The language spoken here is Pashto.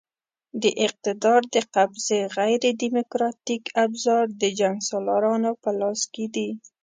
د اقتدار د قبضې غیر دیموکراتیک ابزار د جنګسالارانو په لاس کې دي.